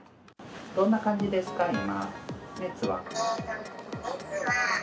どんな感じですか？